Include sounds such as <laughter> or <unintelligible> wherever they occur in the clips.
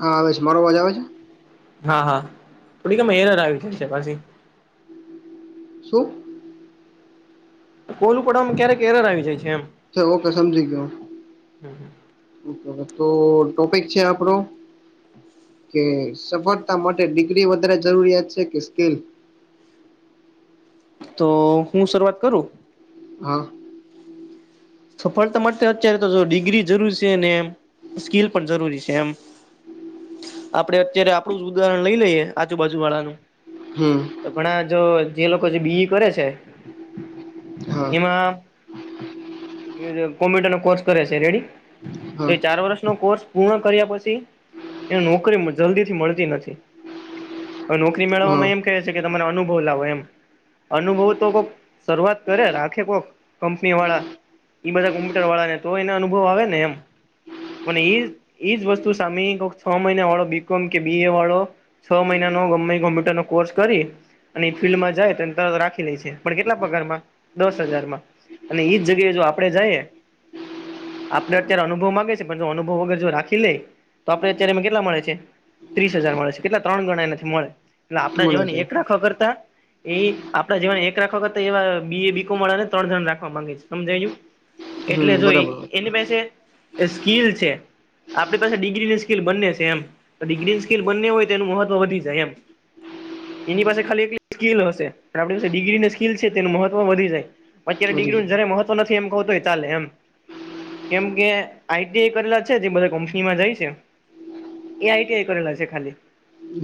હા આવે છે મારો અવાજ આવે છે. હા હા થોડી આમાં એરર આવી જાય છે પાછી. શુ કોલુ <unintelligible> ક્યારે ક એરર આવી જાય છે એમ. ઓકે સમજી ગયો ઓકે તો ટોપિક છે આપડો કે સફળતા માટે ડિગ્રી વધારે જરૂરિયાત છે કે સ્કીલ. તો હું શરૂઆત કરું. હા. સફળતા માટે અત્યારે તો જો ડિગ્રી જરૂરી છે ને એ સ્કીલ પણ જરૂરી છે એમ. આપડે અત્યારે આપણું જ ઉદાહરણ લઈ લઈએે આજુબાજુ વાળાનું હમ્મ. ઘણા જો જે લોકો જે બી કરે છે હા એમાં કોમ્પ્યુટર નો કોર્સ કરે છે રેડી તો હા એ ચાર વર્ષનો કોર્સ પૂર્ણ કર્યા પછી એને નોકરી જલ્દી થી મળતી નથી. આ નોકરી હા મેળવવામાં એમ કહે છે કે તમારા અનુભવ લાવો એમ. અનુભવ તો કોક શરૂઆત કરે રાખે કોક કંપની વાળા એ બધા કોમ્પુટર વાળાને તો એને અનુભવ આવે ને એમ. અને એ એજ વસ્તુ સામે કોક છ મહિના વાળો બીકોમ કે બી એ વાળો છ મહિના નો ગમે ઈ કોમ્પ્યુટર નો કોર્સ કરી અને ફિલ્ડમાં જાય તો તરત રાખી લે છે પણ કેટલા પગારમાં દસ હજારમાં અને ઈજ જગ્યાએ જો આપડે જઈએ. આપડે અત્યારે અનુભવ માગે છે પણ જો અનુભવ વગર જો રાખી લે તો આપડે અત્યારે એમાં કેટલા મળે છે. ત્રીસ હજાર મળે છે કેટલા ત્રણ ગણા એનાથી મળે એટલે આપણા મળે જેવાની છે એક રાખા કરતા. એ આપણા જેવાને એક રાખવા કરતા એવા બી ઈ બી કો કોમ વાળાને ત્રણ જણ રાખવા માંગે છે સમજાઈ ગયું. એટલે હમ જો બરાબર વાત છે એની પાસે સ્કીલ છે. આપણી પાસે ડિગ્રીની સ્કીિલ બને છે એમ. પછી ડિગ્રી સ્કીલ બને હોય તો એનું મહત્વ વધી જાય એમ. એની પાસે ખાલી સ્કીલ હશે, આપણી પાસે ડિગ્રીની સ્કીલ છે તેનું મહત્વ વધી જાય. અત્યારે વધી ડિગ્રીનું ગયું જ મહત્વ નથી એમ કહ તો હો ચાલે એમ. કેમ કે આઈટી આઈ કરેલા છે જે બધા કંપનીમાં જાય છે. એ આઈ ટી આઈ કરેલા છે ખાલી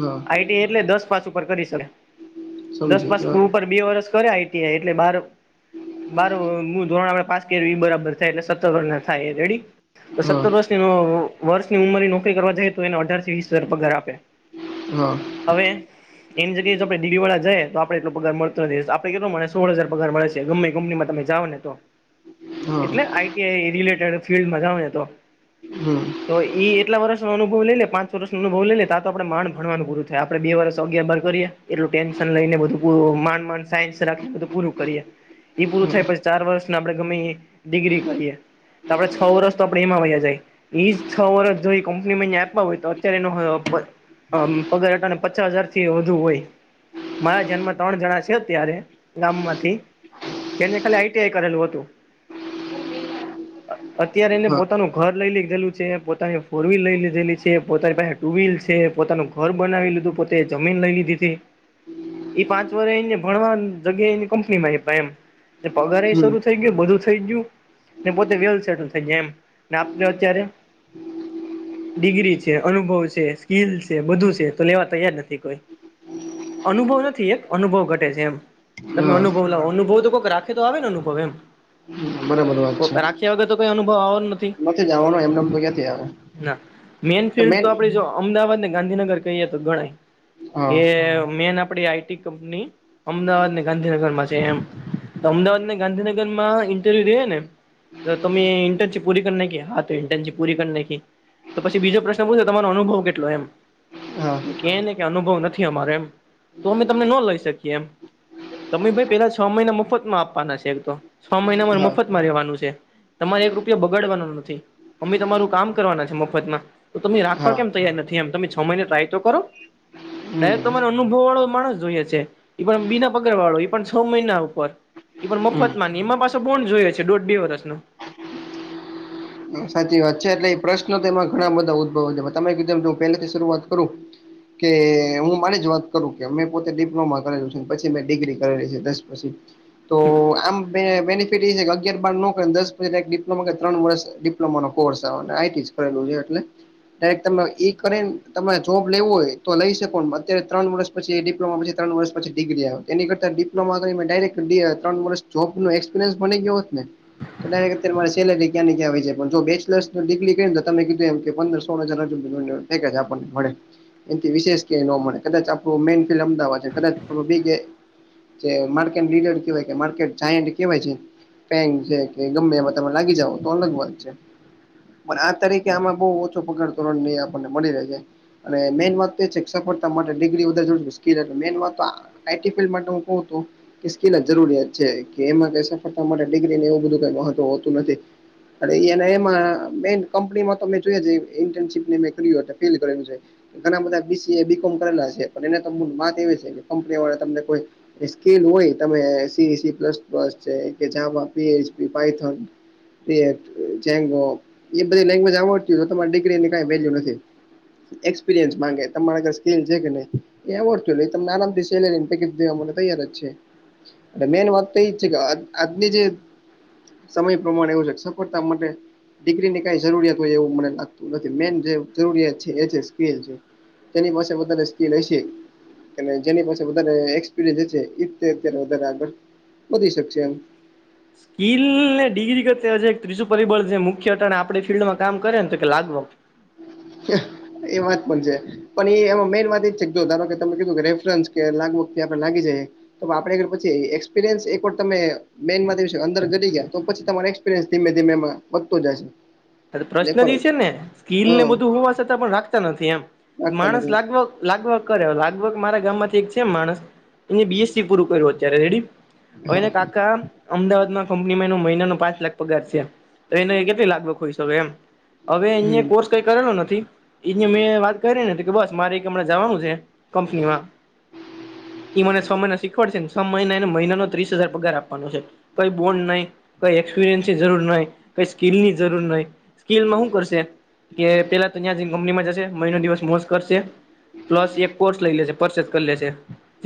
હા આઈ ટી આઈ એટલે દસ પાસ ઉપર કરી શકે. દસ સમજી પાસ ગયો ઉપર બે વર્ષ કરે આઈ ટી આઈ એટલે બાર-બાર ધોરણ આપણે પાસ કર્યું એ બરાબર થાય એટલે સત્તર વરહ ના થાય એ રેડી તો હા સત્તર વર્ષની વર્ષની ઉંમર નોકરી કરવા જાય તો એને અઢાર થી વીસ હજાર પગાર આપે. હા. હવે એની જગ્યા જો આપણે દિલીવાડા જાય તો આપણે એલો પગાર મળતો નથી કેટલો મળે સોળ હજાર પગાર મળે છે, ગમે કંપનીમાં તમે જાણાવે તો હા એટલે આઈ ટી આઈ રિલેટેડ ફિલ્ડમાં જાવ ને તો <inaudible> તો એટલા વર્ષનો અનુભવ લઈ લઈને પાંચ વર્ષનો અનુભવ લઈ ને તો આપણે માણ ભણવાનું પૂરું થાય આપણે બે વર્ષ અગિયાર બાર કરીએ એટલું ટેન્શન લઈ ને બધું માંડ-માંડ સાયન્સ રાખી બધું પૂરું કરીએ. એ પૂરું હા થાય પછી ચાર વર્ષને આપણે ગમે ડિગ્રી કરીએ. તો આપણા છ વર્ષ તો આપણા એમાં વહીયા જાય. એજ છ વર્ષ જોઈ કંપનીમાં આપ્યા હોય તો અત્યારે એનો અ પગારને પચાસ હજારથી વધુ હોય. મારા જાણમા ત્રણ જણા છે અત્યારે ગામમાંથી તેને ખાલી આઈ ટી કરેલું હતું. <inaudible> અત્યારે એને હા પોતાનું ઘર લઈ લઈ લીધેલું છે, પોતાની ફોર વ્હીલ લઈ લીધેલી છે, પોતાની પાસે ટુ વીલ છે, પોતાનું ઘર બનાવી લીધું પોતે જમીન લઇ લીધી છે એ પાંચ એને ભણવા જગ્યાએ એને કંપનીમાં એમ પગાર હમ શુ થઈ ગયું, બધું થઈ ગયું. પોતે વેલ સેટલ થઈ જાય એમ આપ અત્યારે ડિગ્રી છે, અનુભવ છે, સ્કીલ છે બધું છે, તો લેવા તૈયાર નથી કોઈ. અનુભવ નથી એક અનુભવ ઘટે છે એમ તમે હા અનુભવ લાવો અનુભવ તો કોઈક રાખે તો આવે ને અનુભવ્ <unintelligible> હમ, બરાબર વાત છે. કે વો તો તમે અનુભવ આવવાનો જ નથી જવાનો એમનેમ તો ક્યાંથી આવે ના મેન ફિલ્ડ તો આપણી જો અમદાવાદ ને ગાંધીનગર કહીએ તો ગણાય હા કે મેન આપણે આઈટી કપંનિહી અમદાવાદ ને ગાંધીનગર માં છે. એમ અમદાવાદને ગાંધીનગર માં ઇન્ટરવ્યુ દઈએ ને તો તમે ઇન્ટર્નશિપ પૂરી કરી નાખી હા તો ઇન્ટર્નશિપ પૂરી કરની નાખી તો પછી બીજો પ્રશ્ન પછી તો તમારો અનુભવ કેટલો એમ. હા કેને કે અનુભવ નથી અમારે એમ તો અમે તમને ન લઈ શકીએ એમ. તમે ભાઈ પેલા છ મહિના મુફતમાં આપવાના છે, એક તો છ મહિનામાં હા મફતમાં રહેેવાનું છે. તમારે એક રૂપિયા બગાડવાનો નથી, અમેં તમારું કામ કરવાના છે મફતમાં. તો તમે રાખવા હા કેમ તૈયાર નથી, એમ તમે છ મહિને ટ્રાય તો કરો. હમ ડાયરેકટ અનુભવ વાળો માણસ જોઈએ છે, એ પણ બીના પગાર વાળો એ પણ છ મહિના ઉપર એ પણ હમ મફતમાં એમાં પાસે બોન જોઈએ છે દોઢ-બે વર્ષ નો. સાચી વાત છે. એટલે એ પ્રશ્ન તો એમાં ઘણા બધા ઉદ્ભવે તમે કીધું પહેલેથી શરૂઆત કરું કે હું મારી જ વાત કરું કે મેં પોતે ડિપ્લોમા કરેલું છે. પછી મેં ડિગ્રી કરેલી છે. દસ પછી. તો આમ બેનિફિટ એ છે કે અગિયાર બાર ન કરી દસ પછી ડિપ્લોમા કરે ત્રણ વર્ષ રમવા નો કોર્સ આવે આઈ ટી આઈ કરેલું છે. એટલે ડાયરેક તમે ઈ કરી ને તમારે જોબ લેવું હોય તો લઈ શકો અત્યારે ત્રણ વર્ષ પછી ડિપ્લોમા પછી ત્રણ વર્ષ પછી ડિગ્રી આવે એની કરતા ડિપ્લોમા તો ડાયરેક ત્રણ વર્ષ જોબ નો એક્સપિરયન્સ બની ગયો ને તો અત્યારે મારી સેલેરી ક્યાં ની ક્યાં વઈ જાય. જો બેચલર્સ ડિગ્રી કરીને તમે કીધું એમ કે પંદર સોળ હજાર નું પેકેજ આપણને મળે એથી વિશેષ ક્યાંય ન મળે આપણું મેન ફિલ્ડ અમદાવાદ છે કદાચ બી જે માર્કે લીડર કેવાય માર્કે ચાયેન્ડ કહેવાય છે. પેંગ છે કે ગમે એ તમે લાગી જાઓ તો અલગ વાત છે. પણ આ તરીકે આમાં બહુ ઓછો પગાર ધોરણ જે આપણને મળી રહે છે. અને મેન વાત તો છે કે સફળતા માટે ડિગ્રી વધારે જો સ્કીલ મેન વાત તો આઈ ટી ફિલ્ડ માટે હું કહું તું. કે સ્કીલ જરૂરિયાત છે કે એમાં કઈ સફળતા માટે ડિગ્રીને એવું બધું કઈ મહત્વ હોતું નથી. એ ને એમાં મેન કંપનીમાં તો મે જોઈયું ઇર્નશીપને મે ફેલ કરેલું છે. ઘણા બધા બીસીએ બી કોમ કરેલા છે પણ એને તો માત એ છે કે કંપની વાળા તમને કોઈ સ્કેલ હોય તમે એંસી એંસી પ્લસ પ્લસ છે કે જામાં પી એચ પાયથોન પેર ચંગો એ બધી લેંગ્વેજ આવડતી હો તમારી ડિગ્રીની કઈ વેલ્યુ નથી. એક્સપિરિયન્સ માંગે તમારે સ્કીલ છે કે નહીં. એ આવડતું નથી નહીં તો તમને આરામથી સેલેરીને પેકેજ દેવા માટે તૈયાર જ છે. અને મેન વાત તો એજ છે કે આજની જે સમય પ્રમાણે એવું છે. સ્પોટના માટે. ડિગ્રી ની કઈ જરૂરિયાત હોય એવું મને લાગતું નથી મેન જે જરૂરિયાત છે એ છે સ્કીલ છે. તેની પાસે પોતાની સ્કીલ હશે. જેની પાસે વધારે એક્સપિરિયન્સ વધારે આગળ વધી શકશે એમ. સ્કીલ ને ડિગ્રી વચ્ચે ત્રીજું પરિબળ જે મુખ્ય છે મુખ્ય તો આપણા ફિલ્ડમાં કામ કરે ને તો કે લાગવો. હા એ વાત પણ છે. પણ એમાં મેઈન વાત એજ છે જો ધારો કે તને કીધું કે રેફરન્સ કે લાગવગથી આપણે લાગી જઈએ. તો આપણે પછી એક્સપિરિયન્સ એક વાર તમે મેન અંદર ઘટી ગયા તો પછી તમારે એક્સપિરિયન્સ એક્સપિરિયન્સ ધીમે ધીમે માં વધતો જાય છે. પ્રશ્ન જે છે ને હ સ્કીિલ ને બધું હોવા છતાં પણ રાખતા નથી એમ લાગતા માણસ નથી લાગભગ લાગભગ કરે લાગભગ મારા ગામ માંથી એક છે માણસ એને બીએસસી પૂરું કર્યું અત્યારે રેડી. હા ઓઈના કાકા અમદાવાદમાં કંપનીમાં એનો મહિનાનો પાંચ લાખ પગાર છે તો એને કેટલી લાગભગ હોઈ શકે એમ. હવે એ હમ કોર્સ કઈ કરેલો નથી એ મેં વાત કરી નથી કે બસ મારે એક હમણાં જવાનું છે. કંપનીમાં ઈ મને છ મહિના શીખવા પડશે. મહિના એને મહિનાનો ત્રીસ હજાર પગાર આપવાનો છે. કઈ બોન્ડ નહી કઈ એક્સપિરિયન્સની જરૂર નહી કઈ સ્કીિલ ની જરૂર નહી. સ્કીલમાં શું કરશે કે પેલા તો ત્યાં કંપનીમાં જશે મહિનો દિવસ મોશ કરશે. પ્લસ એક કોર્સ લઈ લેશે પરચેસ કર લેશે.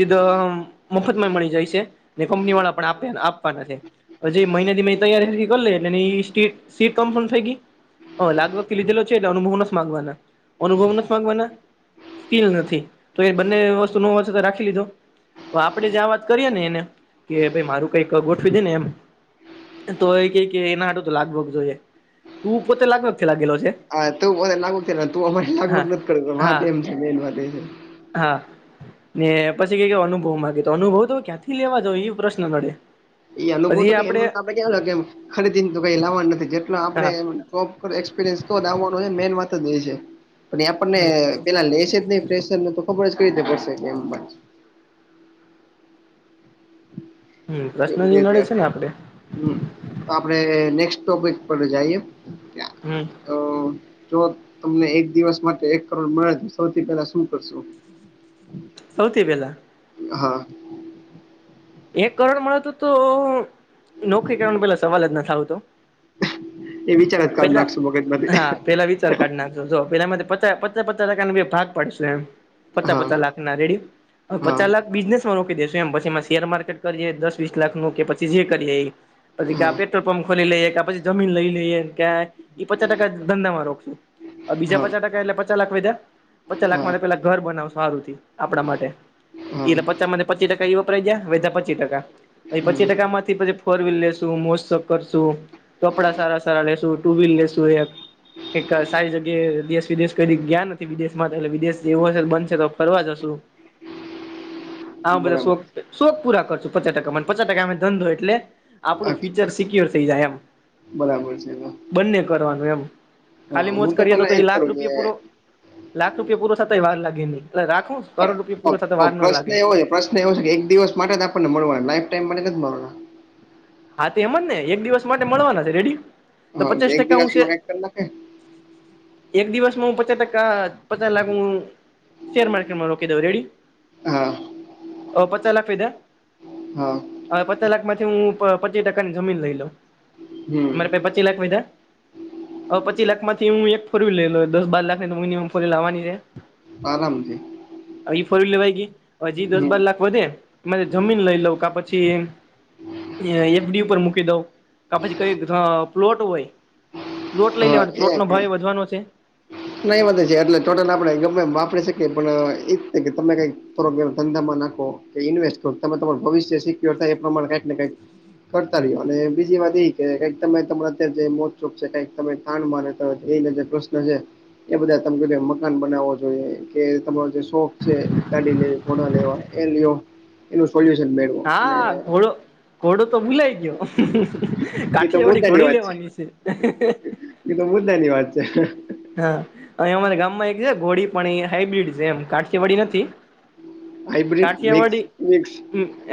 ઇતો અવ મફત માં મળી જાય છે ને કંપની વાળા પણ આપે આપવાના છે. પછી મહિનાથી મેં તૈયારી થી કરલે એટલે એ સીટ સીટ કન્ફર્મ થઈ ગઈ. હા લાગવગથી લીધેલો છે એટલે અનુભવ ન માગવાના અનુભવ નથી માંગવાના સ્કીલ નથી તો એ બંને વસ્તુ ન હોય તો રાખી લીધો. તો આપણે જે આ વાત કરીએ ને એને કે ભાઈ મારું કઈક ગોઠવી દેને એમ તો એ ક કે એનાડું તો લાગવગ જોઈએ હું પોતે લાગન હા ત મને લાગગ થ તું અમારે લાગભગ હા નથી કર બેન વાત હા એ છે હા ને પછી કઈ કે અનુભવ માગે તો અનુભવ તો ક્યાંથી લેવા જ એ પ્રશ્ન કરડે એ અનુભવ તો એમ આપડ કે ખરીદી ને તો કઈ લાવવાનું નથી જેટલો આપડે હા એમ એક્સપિરિયન્સ તો જ આવવાનો છે મેન વાત જ એ છે પણ એ આપણને હમ પેલા લેશે જ નહી ફ્રેશર ને તો ખબર જ કઈ રીતે પડશે કેમ પણ હમ પ્રશ્ન એવું જે છે નડે ત્યાર ને આપડે હમ તો આપડે નેક્સ્ટ ટોપિક પર જાઈએ યા હમ અ જો તમને એક દિવસ માટે એક કરોડ મળે તો સૌથી પહેલા શું કરશો? સૌથી પહેલા હા એક કરોડ મળે તો તો નોકરી કરવાનું પેલા સવાલ જ નથ આવતો એ વિચાર જ કાઢ પેલા નાખશું મગજ માંથી હા પેલા વિચાર કાઢ નાખશો જો પેલામાં પચા પચા ટકા ના બે ભાગ પાડશુ એમ પચા હા પચા લાખ ના રેડી અ હા. પચા લાખ બિઝનેસ માં રોકી દેેશું એમ પછીમાં શેર માર- કરીએે દસ વીસ લાખ નું કે પછી જે કરીએ ઈ પછી કા હા પેટ્રોલ પંપ ખોલી લઇએ કા પછી જમીન લઈ લઈએ કે ઈ પચા ટકા ધંધામાં રોકું અ બીજા હા પચા ટકા એટલે પચા લાખ વધ્યા પચા હા લાખમાં પેલા ઘર બનાવ સારું થી આપણા માટે હા એલે પ પચા માં થી પચી ટકા એ વપરાય ગયા વયધા પચી ટકા પછી પચી હમ ટકામાંથી પછી ફોર વ્હીલ લેસુ મોજ શોખ કરશું કપડા સારા સારા લેેશુ ટુ વ્હીલ લેસુ તો યાર એક સારી જગ્યા દેશ વિદેશ કરીન ગ્યા ને વિદેશમાં થે એટલે વિદેશ એવું હશે બનશે તો ફરવા જશું આવા બધા બરાબર શોખ શોક પૂરા કરશું પચા ટકા મ પચા ટકા માં ધંધો એટલે આપણો અ ફ્યુચર સિક્યોર થઈ જાય એમ બરાબર છે ને બંને કરવાનું એમ ખાલી મોજ કરીએ તો પેલા એજ એ લાખ કરું કે રૂપિયા પૂરો લાખ રૂપિયો પૂરો થતાય વાર લાગે નહી એટલે રાખું કરોડ પ- રૂપિયા પૂરો પ- થતા વાર પ- ના પ્રશ્ન લાગે એવો છે પ્રશ્ન એવો છે એક દિવસ માટે જ આપણને મળવા લાઈફ ટાઈમ માટે નથી મળવાના હા તો એમ જ ને એક દિવસ માટે મળવાના છે રેડી તો હા પચાસ એક ટકા હું છે દિવસમાં કઈક કરી નાખે એક દિવસમાં હું પચા ટકા પચા લાખ ઉ શેર માર્કેટમાં રોકી દઉ રેડી હા અવે પચા લાખ વધ્યા હા અવે પચા લાખ માંથી હું પ પચી ટકાની જમીન લઈ લઉં હમ માર પાહે પચી લાખ વધ્યા અ પચી લાખમાંથી હું એક ફોર વ્હીલ લઈ લઉ દસ બાર લાખની તો મિનમમ ફોર વ્હીલ આવાની છે આરામ થી હ ફોર વ્હીલ લેવાઈ ગઈ હજી દસ હમ બાર લાખ વધે જમીન લઈ લઉ કા પછી એ એફડી ઉપર મૂકી દઉં કા પછી કઈ અ પ્લોટ હોય પ્લોટ લઈ હા લેવાનો પ્લોટ એ નો છે ભાવ વધવાનો છે નાહી વાંધે છે એટલે ટોટલ આપડણે ગમે વાપરી શકીએ પણ એ જ કે તમે કઈક થોડુક એવા ધંધામાં નાખો કે ઈન્વેસ્ટ કરો તમે તમારુ ભવિષ્ય સિક્યોર થાય એ પ્રમાણે કઈક ને કઈક કરતા રહ્યો અને બીજી વાત એ કંઈક તમે તમાર અત્યાર જે મોજ શોખ છે કઈક તમે થાન રહેતા હોય એ ને જે પ્રશ્ન છે એ બધા તમ મકાન બનાવવો જોઈએ કે તમારો જે શોખ છે ગાડી લે કોના લેવા એ લ્યો એનું સોલ્યુશન મેળવો અને ઘોડું તો ભુલાય ગ્યો એ તો કાઠિયાવાડી મુદ્દાની ઘોડી વાત છે લેવાની છે. એ તો મુદ્દા ની વાત છે. હા અને અમારા ગામ માં એક છે ઘોડી પણ એ હાઈબ્રિડ છે એમ કાઠીયાવાડી નથી. હાઇબ્રિડ મિક્સ કાઠિયાવાડી મિક્સ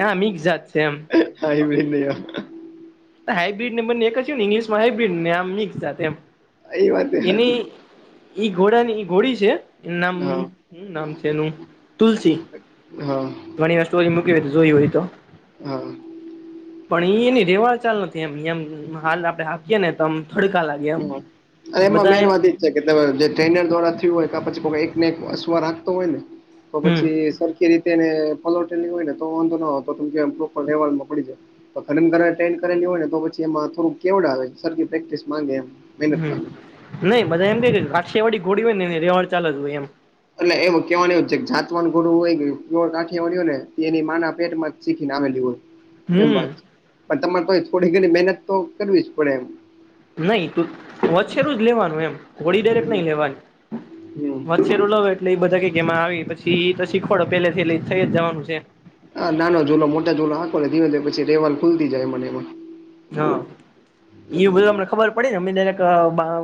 અ મિક્સ જાત છે એમ. હાઈબ્રિડ ની આ હાઈબ્રીડ ને બંને એક જ છે ને ઇંગ્લિશમાં હાઈબ્રીડ ને આમ મિક્સ જાત એમ. એ વાત એ એની હાચી ઈ ઘોડા ની ઈ ઘોડી છે એન નામ હા હું નામ છે એનું તુલસી. હા. ઘણી વાર સ્ટોરી મૂકી હોય તો જોય હોય તો હા પણ એઈ ન રેવાળ ચાલ નથી. એમ એમ હાલ આપડે હાકયે ને તો આમ થોડકા લાગે. એમ હા અ એમ મેન બધા વાતી જે ટ્રેનર દ્વારા થયું હોય પછી એકને એક અસવા રાખતો હોય ને તો હમ પછી સરખી કે રીતે એ રીતે ફોલોટિંગ ની હોય ને તો વાંધો ન હોતો તો કે પ્રોપર લેવલમાં પડી જાય. ઘન ઘરટેડ કરે હોય ને તો પછી એમાં થોડું કેવુ લાગે સરખી પ્રેક્ટિસ માંગે એમ મહેનત હમમ માંગે નય બધા એમ કેય કાઠિયાવાડી ઘોડી હોય ને તેની રેવાડ ચાલ જ હોય એમ. એટલે એવું કહેવાનું એ જાતવાન ગુરુ હોય પ્યૉર કાઠિયાવાડી હોય ને એની માના પેટમાં જ શીખી ને આવેલી હોય. એમ હમ વાત છે પણ તમારે તો થોડી ઘણી મહેનત તો કરવી જ પડે એમ. નહી તું ઓછેરું જ લેવાનું એમ હોડી ડાયરેક નય હમ લેવાની. હમ વચેરું લાવે એટલે એ બધા કે કેમાં આવી પછી એ તો શીખવાડો પેલેથી થઈ જવાનું છે. હા નાનો ઝૂલો મોટો ઝૂલો આખો ને ધીમે ધીમે પછી રહેવાલ ખુલતી જાય મને એમાં. હા એ બધૂ અમને ખબર પડે કે અમે ડાયરેક્ટ અ બા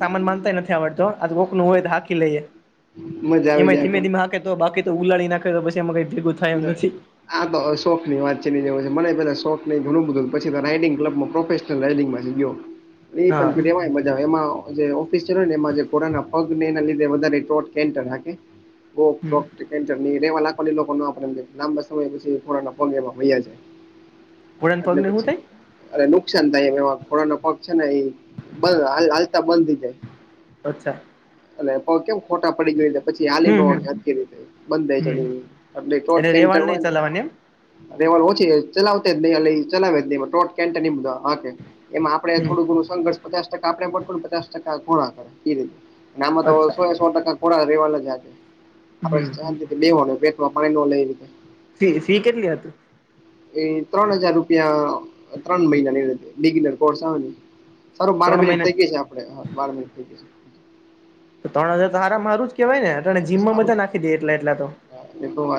સામાન બાધતા યે નથી આવડતો અને લોક નો હોય તો હાકી લઈએ મજા આવી એમાંય જાય ધીમે પણ ધીમે હાકે તો બાકી તો ઉલાળડી નાખે તો પછી એમાં કઈ ભેગું થાય એમ નથી. આ તો શોખ ની વાત છે ની છે મને પેલા શોખ ને ઘણું બધ હતું પછી તો રાઈડિંગ ક્લબમાં પ્રોફેશનલ રાઇડિંગમાં છે ગયો એ હા પંકુરિયામાં મજા આવે એમાં જે ઓફિસ ચને એ જે કોરોના પગ ને એના લીધે વધારે કે રાખે કા હમ કોક ની વાલા નીરે વાલા કોની કો તા પરંતુ લાંબા સમય પછી ખોરાના પગ એમાં વહ્યા જાય ઘોડાના એટલે પગને હું પછી થાય અરે નુકસાન થાય એમ એમાં ખોડા ના પગ છે ને એ હાલતા બંધ થઈ જાય. અચ્છા. અને પગ કેમ ખોટા પડી જે પછી હાલી હમ નો હમ હકે હરખી રીતે બંધ થાય છે હમ ને એટલે ટોટ કેમ રેવાડ કરવો નઈ ને તો ચલાવાની એમ રેવાલ ઓછી ચલાવ તે જ નય ચલાવે જ નય ટોટ કેટનીગ વાળા એમાં આપડે હમ થોડું ઘણું સંઘર્ષ પચાસ ટકા આપડે પને પચાસ ટકા ખોણા કરે. અને આમાં તો અચ્છા સો એ સો ટકા ખોડા રેવા નું જ આજે હમ આપડે શાંતિથી લેવાનું <unintelligible> એ રીતે ફી ફી કેટલી હતી? એ ત્રણ હજાર રૂપિયા ત્રણ મહિના બિગનર કોર્સ આવે. સારું બાર ત્રણ મિનટ મહિના થઈ ગઈ છે આપડે બાર મિનટ થઈ ગય છે. તો ત્રણ હજાર તો હારા માં હારું જ કેવાય ને અમને જીમ માં બધા નાખી દેય એટલા એટલા તો હા એ તો વાત-